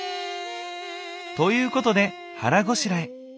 ということで腹ごしらえ。